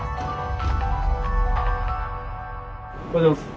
おはようございます。